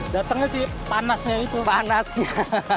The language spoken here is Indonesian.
datangnya sih panasnya itu